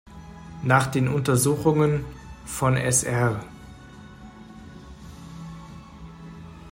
Nach den Untersuchungen von Sr.